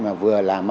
mà vừa lại đánh giá